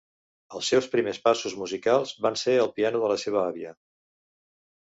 Els seus primers passos musicals va ser al piano de la seva àvia.